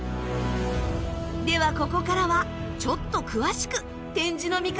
ではここからはちょっと詳しく展示の見方をご紹介。